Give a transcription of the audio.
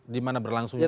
dimana berlangsung saja ya